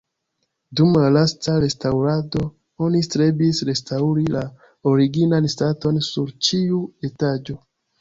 Dum la lasta restaŭrado oni strebis restaŭri la originan staton sur ĉiu etaĝo.